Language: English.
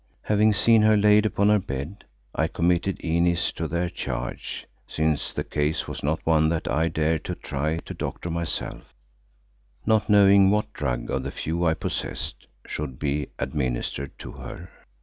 Having seen her laid upon her bed, I committed Inez to their charge, since the case was not one that I dared to try to doctor myself, not knowing what drug of the few I possessed should be administered to her.